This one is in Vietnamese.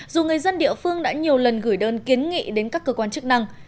dù người dân địa phương đã nhiều lần gửi đơn kiến nghị đến các cơ quan chức năng